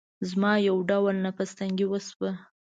زما يو ډول نفس تنګي وشوه.